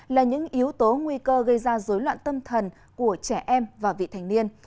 là những yếu tố nguy cơ gây ra dối loạn tâm thần của trẻ em và vị thành niên